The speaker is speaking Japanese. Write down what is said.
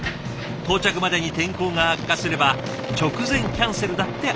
到着までに天候が悪化すれば直前キャンセルだってありえます。